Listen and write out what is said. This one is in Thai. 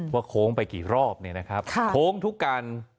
ว่าโค้งไปกี่รอบนะครับค่ะโค้งทุกการ